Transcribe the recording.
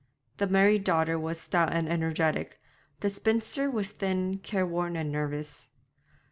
The married daughter was stout and energetic; the spinster was thin, careworn and nervous.